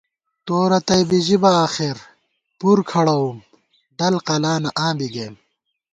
تو رتئ بی ژِبہ آخر پُر کھڑَوُم ڈل قلانہ آں بی گئیم